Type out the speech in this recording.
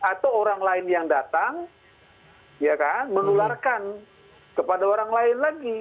atau orang lain yang datang menularkan kepada orang lain lagi